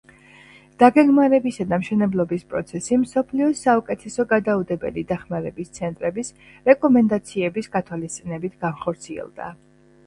დაგეგმარებისა და მშენებლობის პროცესი მსოფლიოს საუკეთესო გადაუდებელი დახმარების ცენტრების რეკომენდაციების გათვალისწინებით განხორციელდა.